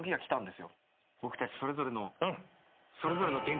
僕たちそれぞれの。